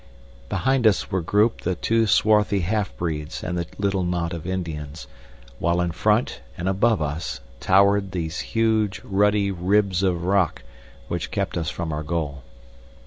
Behind us were grouped the two swarthy half breeds and the little knot of Indians, while in front and above us towered those huge, ruddy ribs of rocks which kept us from our goal.